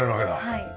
はい。